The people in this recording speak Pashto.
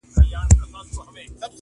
لټول یې په قران کي آیتونه.